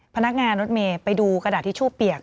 พนักงานรถเมย์ไปดูกระดาษทิชชู่เปียก